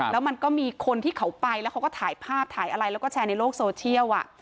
แล้วมันก็มีคนที่เขาไปแล้วเขาก็ถ่ายภาพถ่ายอะไรแล้วก็แชร์ในโลกโซเชียล